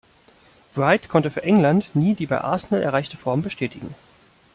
Wright konnte für England nie die bei Arsenal erreichte Form bestätigen.